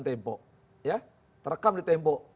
tempo ya terekam di tempo